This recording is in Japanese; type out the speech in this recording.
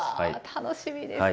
楽しみです！